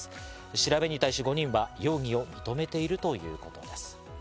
調べに対し５人は容疑を認めているということです。